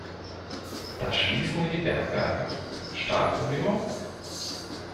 Da schließen wir die Bergwerke. Stahlprobleme?